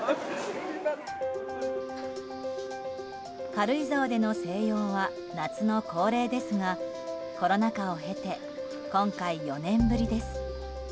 軽井沢での静養は夏の恒例ですがコロナ禍を経て今回、４年ぶりです。